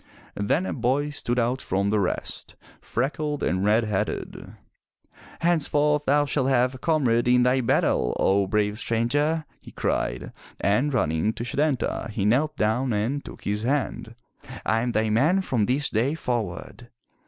*' Then a boy stood out from the rest, freckled and red headed. "Henceforth thou shalt have a comrade in thy battle, O brave stranger,'' he cried, and running to Setanta, he knelt down and took his hand. " I am thy man from this day forward!"